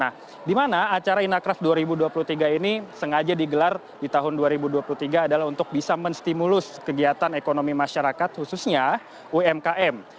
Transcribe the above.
nah di mana acara inacraft dua ribu dua puluh tiga ini sengaja digelar di tahun dua ribu dua puluh tiga adalah untuk bisa menstimulus kegiatan ekonomi masyarakat khususnya umkm